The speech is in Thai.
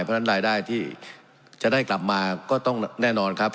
เพราะฉะนั้นรายได้ที่จะได้กลับมาก็ต้องแน่นอนครับ